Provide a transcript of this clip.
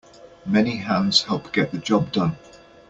Many hands help get the job done.